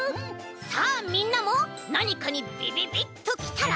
さあみんなもなにかにびびびっときたら。